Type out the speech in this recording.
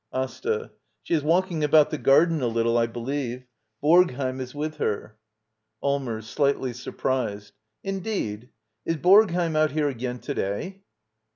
/ AsTTA. She is walking about the garden a little, ''^ I believe. Borgheim is with her. Allmers. [Slightly surprised.] Indeed 1 Is Borgheim out here again to day?